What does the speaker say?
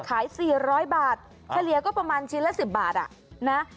ขายสี่ร้อยบาทอ่ะเคลียร์ก็ประมาณชิ้นละสิบบาทอ่ะนะ